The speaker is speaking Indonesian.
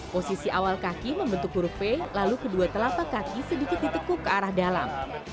posisi awal kaki membentuk huruf v lalu kedua telapak kaki sedikit ditekuk ke arah dalam